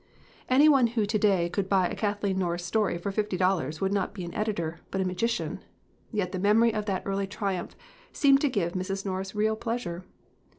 Any one who to day could buy a Kathleen Norris story for fifty dollars would be not an editor, but a magician. Yet the memory of that early triumph seemed to give Mrs. Norris real pleasure.